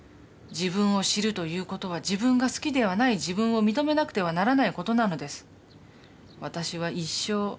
自分を知るということは自分が好きではない自分を認めなくてはならないことなのです。